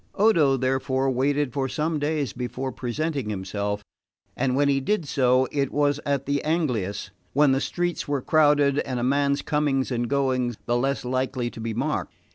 Odo therefore waited for some days before presenting himself, and when he did so it was at the angelus, when the streets were crowded and a man's comings and goings the less likely to be marked.